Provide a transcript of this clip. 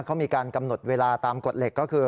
เขามีการกำหนดเวลาตามกฎเหล็กก็คือ